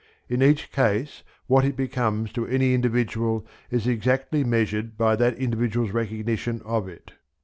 In each case what it becomes to any individual is exactly measured by that individual's recognition of it.